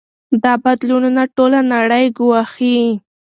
دا بدلونونه ټوله نړۍ ګواښي.